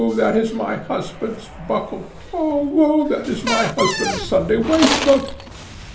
that is my husband's buckle! Ah, woe! that is my husband's Sunday waistcoat!